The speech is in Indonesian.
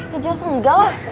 ya jelas enggak lah